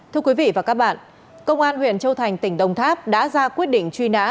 thưa quý vị và các bạn công an huyện châu thành tỉnh đồng tháp đã ra quyết định truy nã